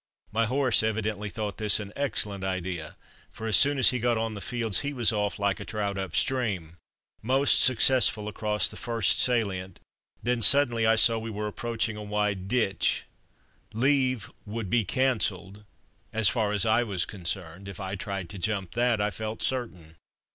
My horse evidently thought this an excellent idea, for as soon as he got on the fields he was off like a trout up stream. Most successful across the first salient, then, suddenly, I saw we were approaching a wide ditch. Leave would be cancelled as far as I was concerned if I tried to jump that, I felt certain.